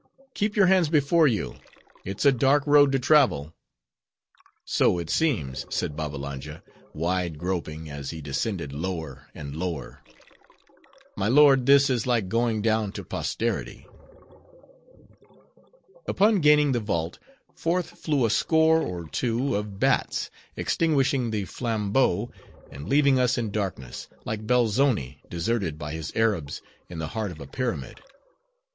"Keep your hands before you; it's a dark road to travel." "So it seems," said Babbalanja, wide groping, as he descended lower and lower. "My lord this is like going down to posterity." Upon gaining the vault, forth flew a score or two of bats, extinguishing the flambeau, and leaving us in darkness, like Belzoni deserted by his Arabs in the heart of a pyramid.